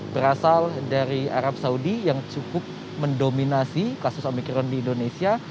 berasal dari arab saudi yang cukup mendominasi kasus omikron di indonesia